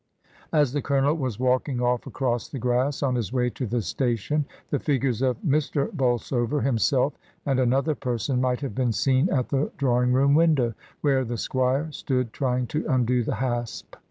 As the Colonel was walking off across the grass on his way to the station the figures of Mr. Bolsover himself and another person might have been seen at the drawing room window, where the squire stood trying to undo the hasp.